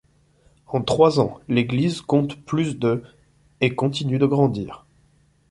En trois ans, l'église compte plus de et continue de grandir.